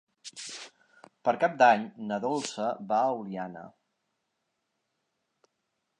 Per Cap d'Any na Dolça va a Oliana.